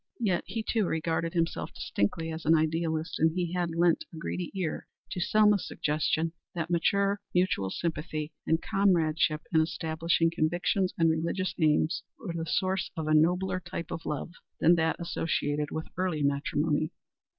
Yet he, too, regarded himself distinctly as an idealist, and he had lent a greedy ear to Selma's suggestion that mature mutual sympathy and comradeship in establishing convictions and religious aims were the source of a nobler type of love than that associated with early matrimony.